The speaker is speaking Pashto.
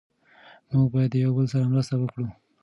موږ باید د یو بل سره مرسته وکړو.